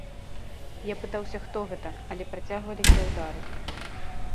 Я пытаўся, хто гэта, але працягваліся ўдары.